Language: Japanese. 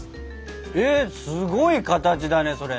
えっすごい形だねそれ。